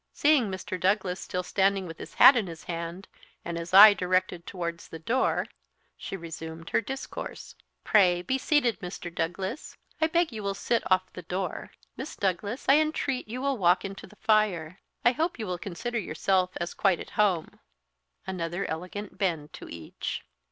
Seeing Mr. Douglas still standing with his hat in his hand, and his eye directed towards the door, she resumed her discourse. "Pray be seated, Mr. Douglas; I beg you will sit off the door. Miss Douglas, I entreat you will walk into the fire; I hope you will consider yourself as quite at home" another elegant bend to each.